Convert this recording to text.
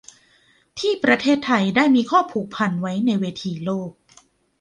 ที่ประเทศไทยได้มีข้อผูกพันไว้ในเวทีโลก